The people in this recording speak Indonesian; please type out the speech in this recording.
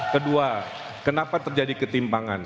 kedua kenapa terjadi ketimpangan